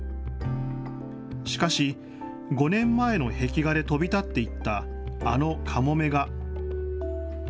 しかし、５年前の壁画で飛び立っていった、あのカモメが。